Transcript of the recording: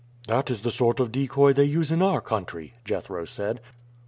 "That is the sort of decoy they use in our country," Jethro said.